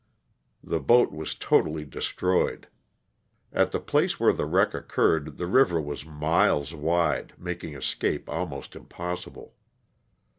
The boat was totally destroyed. At the place where the wreck occurred the river was miles wide, making escape almost impossible.